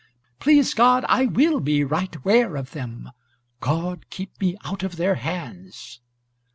Please God, I will be right ware of them, God keep me out of their hands."